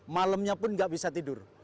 malamnya pun nggak bisa tidur